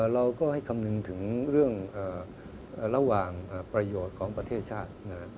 เราก็ให้คำนึงถึงเรื่องระหว่างประโยชน์ของประเทศชาติ